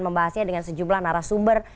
membahasnya dengan sejumlah narasumber